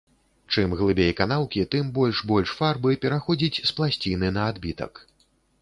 Чым глыбей канаўкі, тым больш больш фарбы пераходзіць з пласціны на адбітак.